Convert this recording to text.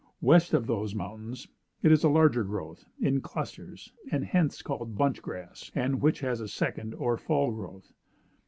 West of those mountains it is a larger growth, in clusters, and hence called bunch grass, and which has a second or fall growth.